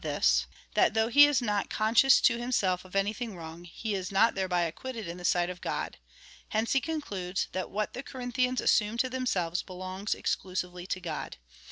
himself by tliis, that though he is not conscious to himself of anything wrong, he is not thereby acquitted in the sight of God. Hence he concludes, that what the Corinthians assume to themselves, belongs exclusively to God.